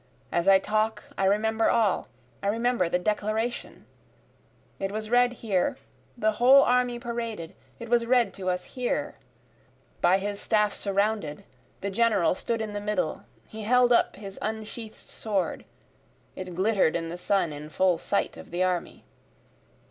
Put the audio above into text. As I talk I remember all, I remember the Declaration, It was read here, the whole army paraded, it was read to us here, By his staff surrounded the General stood in the middle, he held up his unsheath'd sword, It glitter'd in the sun in full sight of the army.